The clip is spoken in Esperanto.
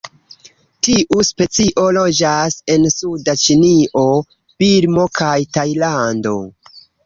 Tiu specio loĝas en suda Ĉinio, Birmo kaj Tajlando.